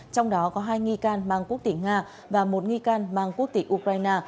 trong đó có hai nghi can mang quốc tịch nga và một nghi can mang quốc tịch ukraine